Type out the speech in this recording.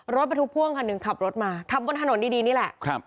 รถบรรทุกพ่วงคันหนึ่งขับรถมาขับบนถนนดีนี่แหละครับ